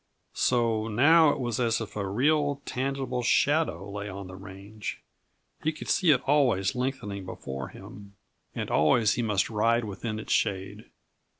So now it was as if a real, tangible shadow lay on the range. He could see it always lengthening before him, and always he must ride within its shade.